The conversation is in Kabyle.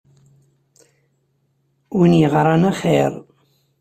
Win yeɣran axir.